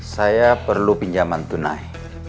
saya perlu pinjaman tunai